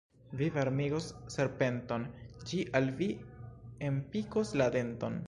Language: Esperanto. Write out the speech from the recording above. Vi varmigos serpenton, ĝi al vi enpikos la denton.